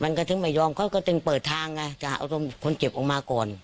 ถึงไม่ยอมเขาก็จึงเปิดทางไงจะเอาตัวคนเจ็บออกมาก่อน